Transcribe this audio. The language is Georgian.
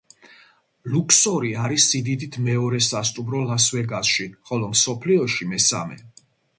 ლუქსორი არის სიდიდით მეორე სასტუმრო ლას-ვეგასში, ხოლო მსოფლიოში მესამე.